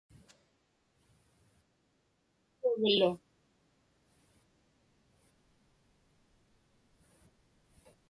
qaugaglu